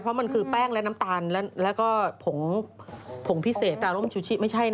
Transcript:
๘๐๐เพราะมันคือแป้งและน้ำตาลและก็ผงพิเศษอารมณ์ชูชิไม่ใช่นะฮะ